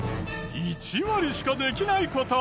１割しかできない事。